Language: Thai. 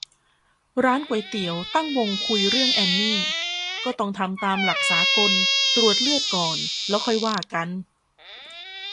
ร้านก๋วยเตี๋ยวตั้งวงคุยเรื่องแอนนี่ "ก็ต้องทำตามหลักสากล ตรวจเลือดก่อน แล้วค่อยว่ากัน"